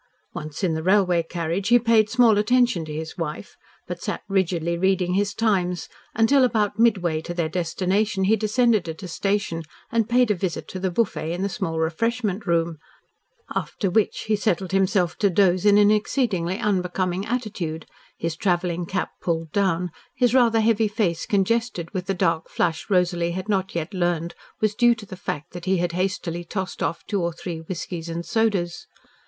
Once in the railway carriage he paid small attention to his wife, but sat rigidly reading his Times, until about midway to their destination he descended at a station and paid a visit to the buffet in the small refreshment room, after which he settled himself to doze in an exceedingly unbecoming attitude, his travelling cap pulled down, his rather heavy face congested with the dark flush Rosalie had not yet learned was due to the fact that he had hastily tossed off two or three whiskies and sodas.